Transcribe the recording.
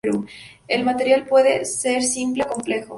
El material puede ser simple o complejo.